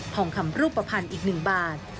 คำรูปภัณฑ์อีก๑บาท